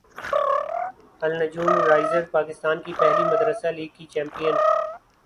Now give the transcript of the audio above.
النجوم risers Pakistan کی پہلی مدرسہ لیگ کی چیمپیئن